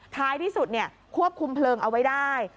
ท้ายที่สุดควบคุมเพลิงเอาไว้ได้